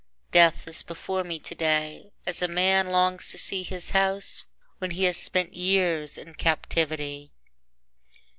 Death is before me today As a man longs to see his house When he has spent years in captivity.